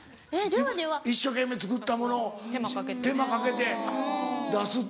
一生懸命作ったものを手間かけて出すって。